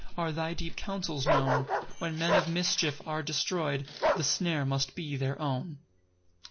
Are thy deep counsels known; When men of mischief are destroy'd, The snare must be their own.